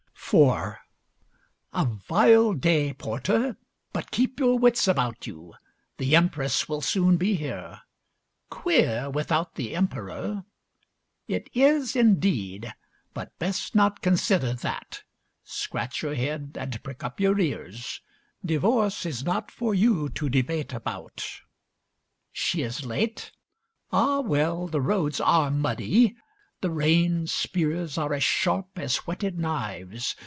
IV A vile day, Porter. But keep your wits about you. The Empress will soon be here. Queer, without the Emperor! It is indeed, but best not consider that. Scratch your head and prick up your ears. Divorce is not for you to debate about. She is late? Ah, well, the roads are muddy. The rain spears are as sharp as whetted knives.